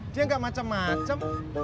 dia gak macem macem